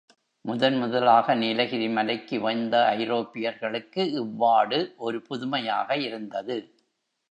முதன் முதலாக நீலகிரி மலைக்கு வந்த ஐரோப்பியர்களுக்கு இவ்வாடு ஒரு புதுமையாக இருந்தது.